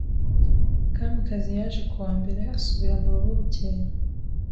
Kamikazi yaje ku wa mbere asubira mu rugo bukeye.